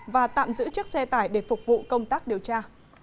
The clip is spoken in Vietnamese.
và tạm giữ chiếc xe tải để phục vụ công tác điều tra